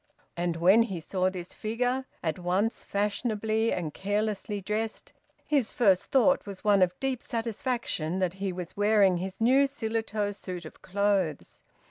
And when he saw this figure, at once fashionably and carelessly dressed, his first thought was one of deep satisfaction that he was wearing his new Shillitoe suit of clothes.